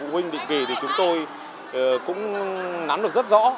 phụ huynh định kỳ thì chúng tôi cũng nắm được rất rõ